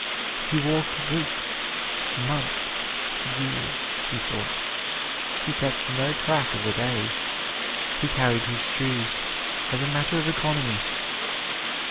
He walked weeks months years, he thought. He kept no track of the days. He carried his shoes as a matter of economy.